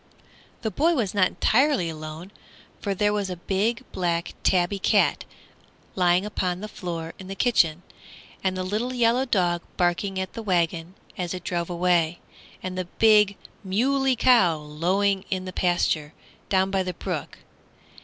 The boy was not entirely alone, for there was the big black tabby cat lying upon the floor in the kitchen, and the little yellow dog barking at the wagon as it drove away, and the big moolie cow lowing in the pasture down by the brook.